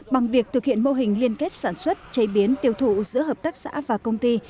bằng việc thực hiện mô hình liên kết sản xuất chế biến tiêu thụ giữa hợp tác xã và công ty